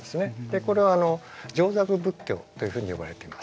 これは上座部仏教っていうふうに呼ばれています。